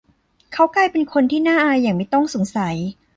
เขากลายเป็นคนที่น่าอายอย่างไม่ต้องสงสัย